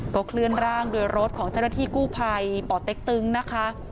เคลื่อนร่างโดยรถของเจ้าหน้าที่กู้ภัยป่อเต็กตึงนะคะ